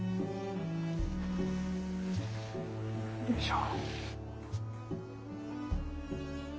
よいしょ。